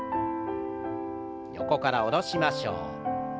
横から下ろしましょう。